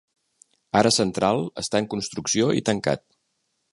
Ara Central està en construcció i tancat.